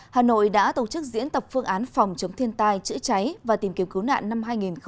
hà nội đã tổ chức diễn tập phương án phòng chống thiên tai chữa cháy và tìm kiếm cứu nạn năm hai nghìn hai mươi